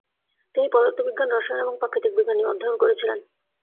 তিনি পদার্থবিজ্ঞান, রসায়ন, এবং প্রাকৃতিক বিজ্ঞান নিয়ে অধ্যয়ন করেছিলেন।